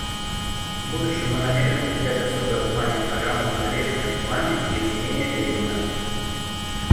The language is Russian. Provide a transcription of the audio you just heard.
В будущем мы намерены уделять особое внимание программам моделирования цунами и изменения климата.